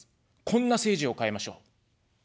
こんな政治を変えましょう。